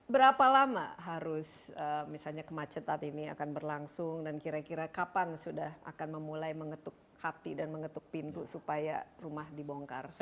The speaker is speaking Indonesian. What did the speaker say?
berapa lama harus misalnya kemacetan ini akan berlangsung dan kira kira kapan sudah akan memulai mengetuk hati dan mengetuk pintu supaya rumah dibongkar